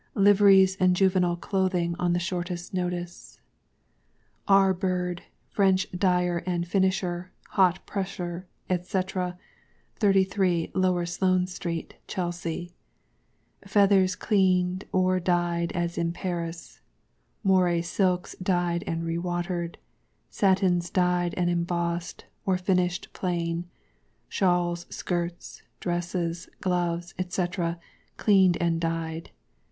Liveries and Juvenile Clothing on the shortest notice. R. BIRD FRENCH DYER & FINISHER, HOT PRESSER, &C., 33, LOWER SLOANE STREET, CHELSEA. Feathers Cleaned or Dyed as in Paris. Moire Silks Dyed and Re watered. Satins Dyed and Embossed, or Finished Plain, Shawls, Silks, Dresses, Gloves, &c., Cleaned and Dyed.